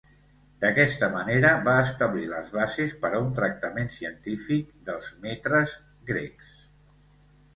D'aquesta manera va establir les bases per a un tractament científic dels metres grecs.